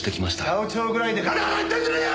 八百長ぐらいでガタガタ言ってんじゃねえよ！